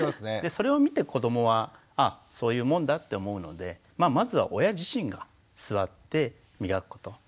それを見て子どもはあっそういうもんだって思うのでまずは親自身が座って磨くこと。